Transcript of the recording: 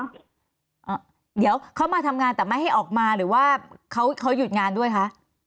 เดี๋ยวเขามาทำงานแต่ไม่ให้ออกมาหรือว่าเขาเขาหยุดงานด้วยคะ